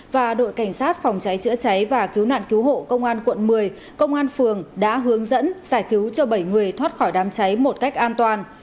và đội cảnh sát phòng cháy chữa cháy và cứu nạn cứu hộ công an quận một mươi công an phường đã hướng dẫn giải cứu cho bảy người thoát khỏi đám cháy một cách an toàn